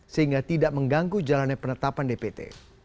sehingga tidak mengganggu jalannya penetapan dpt